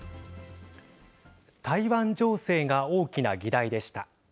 台湾情勢が大きな議題でした。